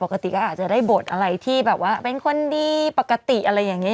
ปกติก็อาจจะได้บทอะไรที่แบบว่าเป็นคนดีปกติอะไรอย่างนี้